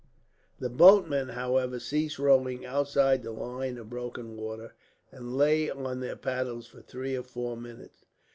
The boatmen, however, ceased rowing outside the line of broken water, and lay on their paddles for three or four minutes.